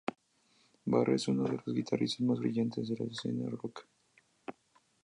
Barre es uno de los guitarristas más brillantes de la escena rock.